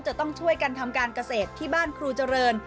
จะต้องช่วยกันทำการเกษตรที่บ้านครูเจริญ